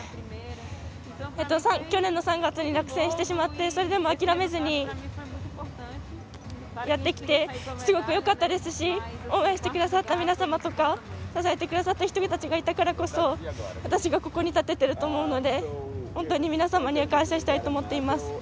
去年の３月に落選してしまってそれでも諦めずにやってきてよかったですし応援してくださった皆様とか支えてくださった方々がいたからこそ私がここに立てていると思うので本当に皆様には感謝したいと思っています。